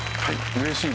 うれしい？